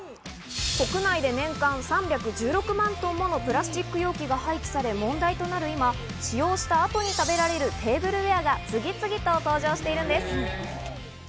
国内で年間３１６万トンものプラスチック容器が廃棄され、問題となる今、使用したあとに食べられるテーブルウエアが、次々と登場しているんです。